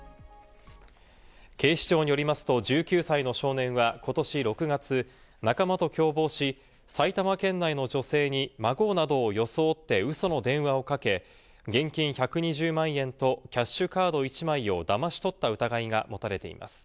警視庁によりますと１９歳の少年は、ことし６月、仲間と共謀し、埼玉県内の女性に孫などを装って、うその電話をかけ、現金１２０万円とキャッシュカード１枚をだまし取った疑いが持たれています。